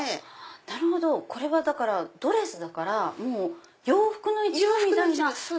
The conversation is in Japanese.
なるほどこれはドレスだから洋服の一部みたいな。